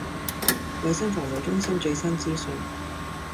衞生防護中心最新資訊